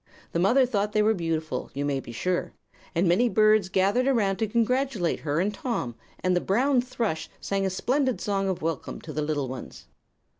The mother thought they were beautiful, you may be sure, and many birds gathered around to congratulate her and Tom, and the brown thrush sang a splendid song of welcome to the little ones.